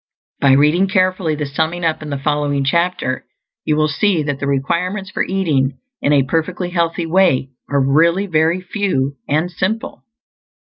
By reading carefully the summing up in the following chapter, you will see that the requirements for eating in a perfectly healthy way are really very few and simple.